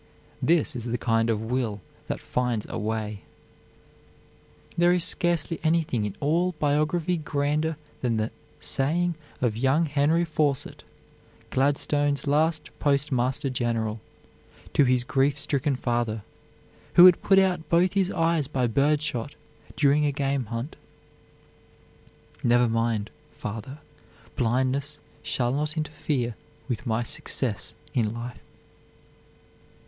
This is the kind of will that finds a way. There is scarcely anything in all biography grander than the saying of young Henry Fawcett, Gladstone's last Postmaster General, to his grief stricken father, who had put out both his eyes by birdshot during a game hunt: "Never mind, father, blindness shall not interfere with my success in life."